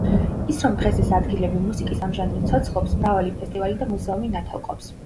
ის რომ დღეს ეს ადგილები მუსიკის ამ ჟანრით ცოცხლობს მრავალი ფესტივალი და მუზეუმი ნათელყოფს.